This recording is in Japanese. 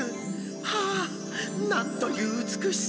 ああなんという美しさ。